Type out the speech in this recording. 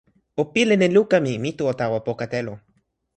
o pilin e luka mi. mi tu o tawa poka telo.